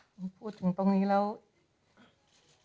ขอบพระคุณที่คุณช่วย